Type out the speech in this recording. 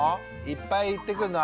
いっぱい言ってくんの？